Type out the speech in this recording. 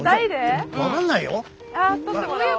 分かんないよ？